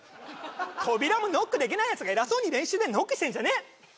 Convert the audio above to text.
扉もノックできないやつが偉そうに練習でノックしてんじゃねえ！